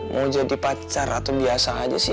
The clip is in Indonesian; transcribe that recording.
mau jadi pacar atau biasa aja sih